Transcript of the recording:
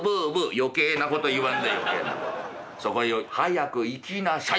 「余計なこと言わんで余計なこと。そこへ早く行きなさい！